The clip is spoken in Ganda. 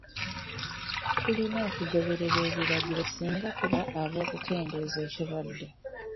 Tulina okugoberera ebiragiro singa tuba ab'okukendeeza ekirwadde.